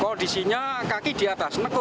kondisinya kaki di atas